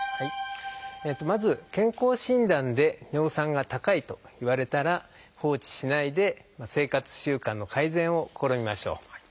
まず健康診断で尿酸が高いと言われたら放置しないで生活習慣の改善を試みましょう。